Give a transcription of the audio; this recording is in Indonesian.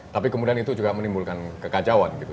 tapi kemudian itu juga menimbulkan kekacauan gitu